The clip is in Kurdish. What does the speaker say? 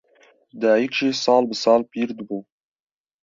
Dayîk jî sal bi sal pîr dibû